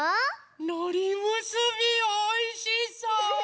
のりむすびおいしそう！